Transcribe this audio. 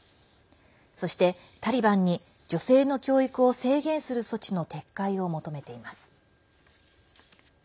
そして、タリバンに女性の教育を制限する措置の撤回を求めています。